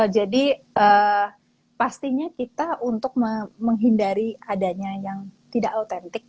jadi pastinya kita untuk menghindari adanya yang tidak autentik